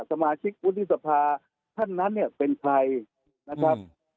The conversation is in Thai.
สมาชิกวุฒิสภาท่านนั้นเนี่ยเป็นใครนะครับ